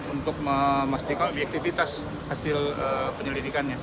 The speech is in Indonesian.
untuk memastikan objektivitas hasil penyelidikannya